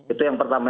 itu yang pertama